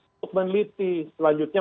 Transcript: untuk meneliti selanjutnya